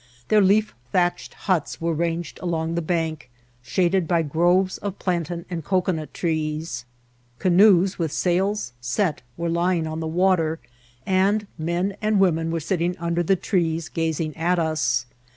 Their leaf* thatched huts were ranged along the bank, shaded by BBAUTIFITL 8CBNEET. 33 groves of plantain and cocoanut trees; canoes with sails set were lying on the water, and men and women were sitting under the trees gazing at us.